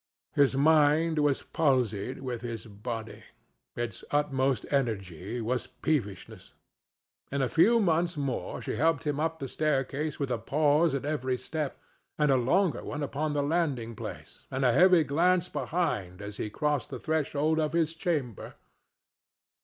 His mind was palsied with his body; its utmost energy was peevishness. In a few months more she helped him up the staircase with a pause at every step, and a longer one upon the landing place, and a heavy glance behind as he crossed the threshold of his chamber.